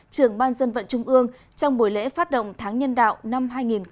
trưởng ban dân vận trung ương trong buổi lễ phát động tháng nhân đạo năm hai nghìn hai mươi